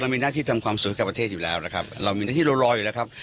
มีหน้าที่ทำความสวยกับประเทศอยู่แล้วนะครับเรามีหน้าที่เรารออยู่แล้วครับ